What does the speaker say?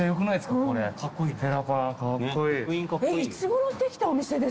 えっいつごろできたお店ですか？